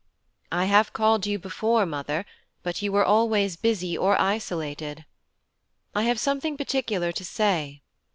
'I have called you before, mother, but you were always busy or isolated. I have something particular to say.'